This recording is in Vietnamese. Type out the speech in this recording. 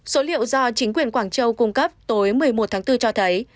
số liệu do chính quyền quảng châu cung cấp tối một mươi một tháng bốn cho thấy